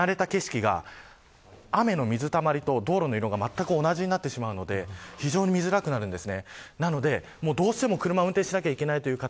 そうするといつも見慣れた景色が雨の水たまりと道路の色がまったく同じになってしまうので非常に見づらくなるんです。